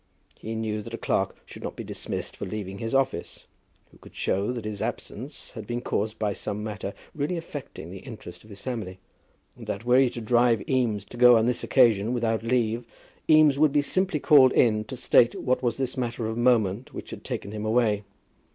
He knew that a clerk should not be dismissed for leaving his office, who could show that his absence had been caused by some matter really affecting the interest of his family; and that were he to drive Eames to go on this occasion without leave, Eames would be simply called in to state what was this matter of moment which had taken him away.